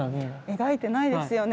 描いてないですよね。